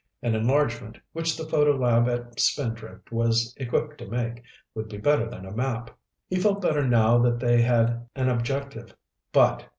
An enlargement, which the photo lab at Spindrift was equipped to make, would be better than a map. He felt better now that they had an objective. But!